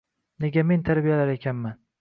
Nega men tarbiyalar ekanman